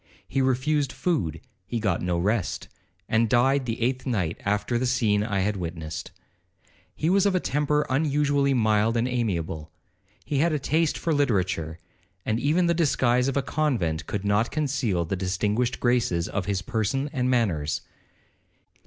He refused food, he got no rest, and died the eighth night after the scene I had witnessed. He was of a temper unusually mild and amiable—he had a taste for literature, and even the disguise of a convent could not conceal the distinguished graces of his person and manners.